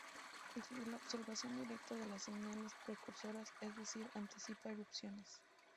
Desde la observación directa de las señales precursoras, es posible anticipar erupciones.